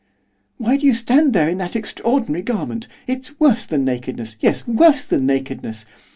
'Why do you stand there in that extraordinary garment, it's worse than nakedness, yes, worse than nakedness!